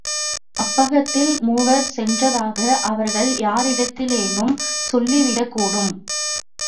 அப்பக்கத்தில் மூவர் சென்றதாக அவர்கள் யாரிடத்திலேனும் சொல்லிவிடக் கூடும்.